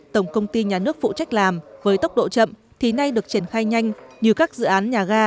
tổng công ty nhà nước phụ trách làm với tốc độ chậm thì nay được triển khai nhanh như các dự án nhà ga